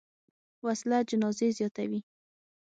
وسله جنازې زیاتوي